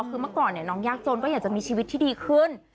คือเมื่อก่อนน้องยากจนก็อยากจะมีชีวิตที่ดีขึ้น